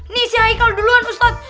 nih si haikal duluan ustad